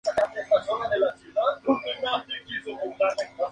Las monedas no sufrieron esta reforma.